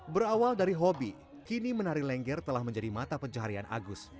berawal dari hobi kini menari lengger telah menjadi mata pencaharian agus